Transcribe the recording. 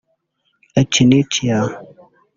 Echinecea